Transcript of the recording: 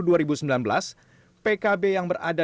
pkb yang berada dalam barisan partai koalisi pendukungnya ini